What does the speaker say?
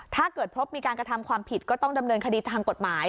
ถ้าเกิดพบมีการกระทำความผิดก็ต้องดำเนินคดีทางกฎหมาย